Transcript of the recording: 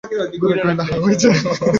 গোরা কহিল, হাঁ, হয়েছে।